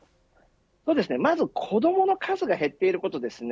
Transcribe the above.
まず子どもの数が減っていることです。